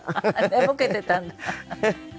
寝ぼけてたんだ。